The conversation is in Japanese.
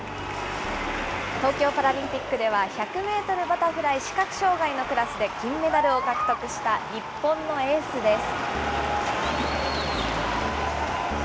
東京パラリンピックでは、１００メートルバタフライ視覚障害のクラスで金メダルを獲得した日本のエースです。